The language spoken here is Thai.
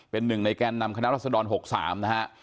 เป็นหนึ่งในแกนนำคณะรัศดร๖๓นะฮะ